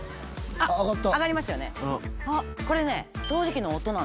あっ上がってる。